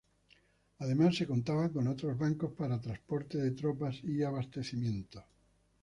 Además se contaba con otros barcos para transporte de tropas y abastecimientos.